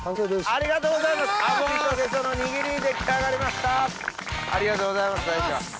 ありがとうございます大将。